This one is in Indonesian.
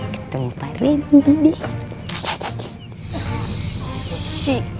ketemu pak rindy